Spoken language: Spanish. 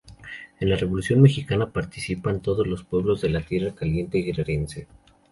En la Revolución Mexicana participan todos los pueblos de la Tierra Caliente guerrerense.